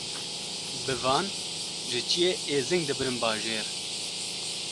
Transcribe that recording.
Bi van ji çiyê êzing dibirin bajêr